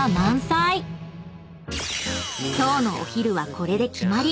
［今日のお昼はこれで決まり！